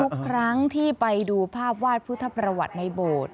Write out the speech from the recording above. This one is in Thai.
ทุกครั้งที่ไปดูภาพวาดพุทธประวัติในโบสถ์